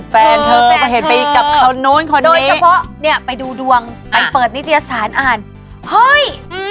แฟนเธอก็เห็นไปกับคนนู้นคนนี้โดยเฉพาะเนี่ยไปดูดวงไปเปิดนิตยสารอ่านเฮ้ย